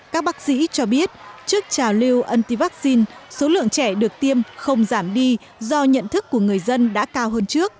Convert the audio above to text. các bác sĩ cho biết trước trào lưu anti vaccine số lượng trẻ được tiêm không giảm đi do nhận thức của người dân đã cao hơn